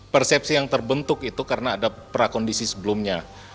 persepsi yang terbentuk itu karena ada prakondisi sebelumnya